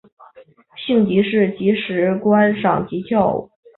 兴趣是即时观赏及跳舞。